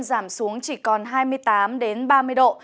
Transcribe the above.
giảm xuống chỉ còn hai mươi tám ba mươi độ